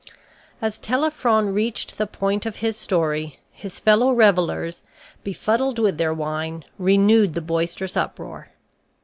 As Telephron reached the point of his story, his fellow revelers, befuddled with their wine, renewed the boisterous uproar.